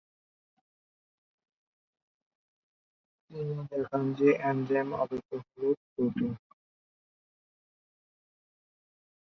তিনি দেখান যে এনজাইমের আদতে হলও প্রোটিন।